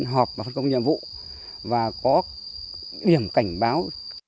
họp và phân công nhiệm vụ và có điểm cảnh báo